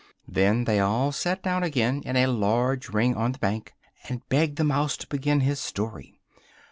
Then they all sat down again in a large ring on the bank, and begged the mouse to begin his story.